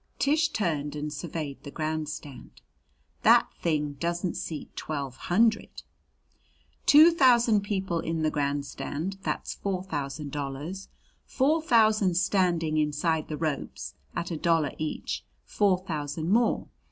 Tish turned and surveyed the grandstand. "That thing doesn't seat twelve hundred." "Two thousand people in the grandstand that's four thousand dollars. Four thousand standing inside the ropes at a dollar each, four thousand more.